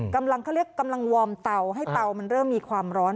กำลังเขาเรียกกำลังวอร์มเตาให้เตามันเริ่มมีความร้อน